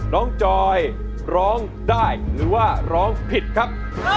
จอยร้องได้หรือว่าร้องผิดครับ